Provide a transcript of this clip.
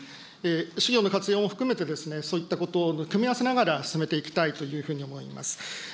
士業の活用も含めてですね、そういったことを組み合わせながら、進めていきたいというふうに思います。